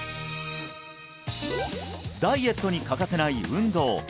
ダイエットに欠かせない運動